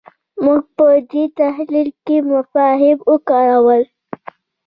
موږ په دې تحلیل کې مفاهیم وکارول.